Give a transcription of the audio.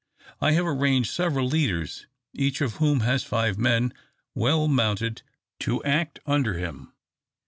I have arranged several leaders, each of whom has five men well mounted to act under him.